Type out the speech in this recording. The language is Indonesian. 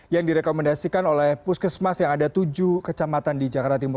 yang direkomendasikan oleh puskesmas yang ada tujuh kecamatan di jakarta timur